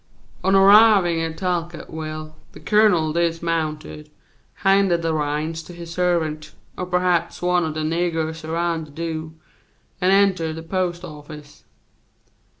"On arriving at Talcottville the colonel dismounted, handed the reins to his servant, or perhaps one of the niggers around de do' and entered the post office.